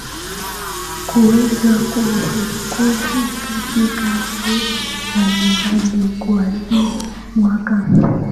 kuweza kurekodi kazi zake mbali mbali kuazia mwaka